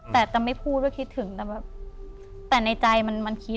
แต่จะไม่พูดว่าคิดถึงแต่แบบแต่ในใจมันคิด